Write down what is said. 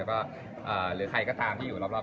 คือจริงสมัยก็ห้างเขาไม่ได้